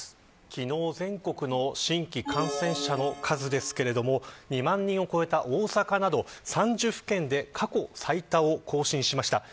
昨日、全国の新規感染者の数ですが２万人を超えた大阪など３０府県で過去最多を更新しました。